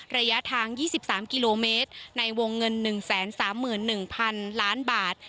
ระยะทาง๒๓กิโลเมตรในวงเงิน๑๓๑๐๐๐ล้านบาท